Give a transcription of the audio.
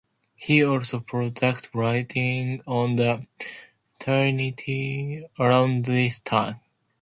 He also produced writings on the Trinity around this time.